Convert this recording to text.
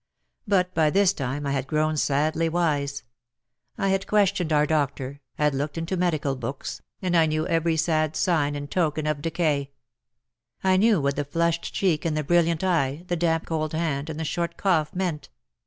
But by this time I had grown sadly wise. I had questioned our doctor — had looked into medical books — and I knew every sad sign and token of decay. 1 knew what the flushed cheek and the brilliant eye, the damp cold hand, and the short cough meant.